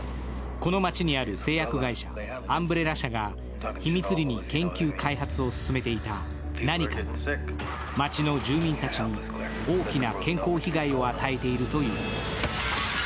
この町にある製薬会社・アンブレラ社が研究開発を進めていた何かが街の住民たちに大きな健康被害を与えているという。